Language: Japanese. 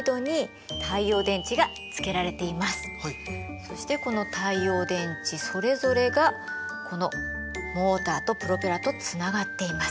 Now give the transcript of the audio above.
そしてこの太陽電池それぞれがこのモーターとプロペラとつながっています。